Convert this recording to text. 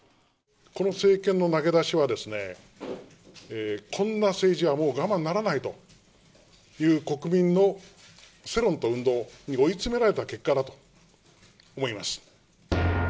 この政権の投げ出しは、こんな政治はもう我慢ならないという国民の世論と運動に追い詰められた結果だと思います。